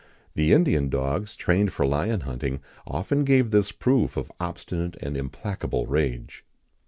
The Indian dogs, trained for lion hunting, often gave this proof of obstinate and implacable rage.